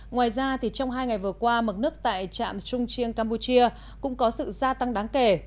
ngoài ra trong hai ngày vừa qua mực nước tại trạm trung chiêng campuchia cũng có sự gia tăng đáng kể